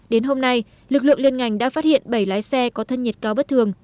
đến hôm nay lực lượng liên ngành đã phát hiện bảy lái xe có thân nhiệt cao bất thường